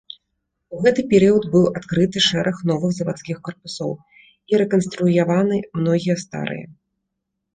У гэты перыяд быў адкрыты шэраг новых завадскіх карпусоў і рэканструяваны многія старыя.